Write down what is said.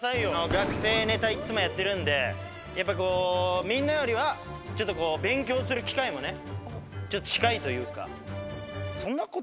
学生ネタいっつもやってるんでやっぱみんなよりはちょっと勉強する機会もねちょっと近いというか。